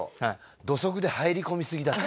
土足で入り込み過ぎだって。